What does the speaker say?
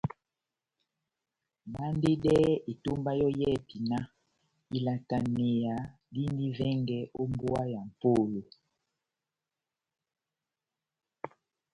Bandedɛhɛ etomba yɔ́ yɛ́hɛ́pi náh ilataneya dindi vɛngɛ ó mbówa ya mʼpolo !